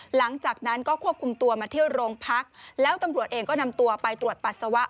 หลังจากนั้นก็ควบคุมตัวมาเที่ยวโรงพักแล้วตำรวจเองก็นำตัวไปตรวจปัสสาวะ